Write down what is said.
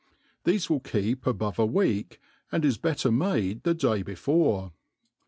Thefe wiH keep above a week, and is better made the day before.